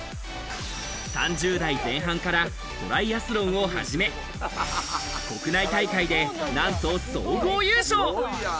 ３０代前半からトライアスロンを始め、国内大会で、なんと総合優勝。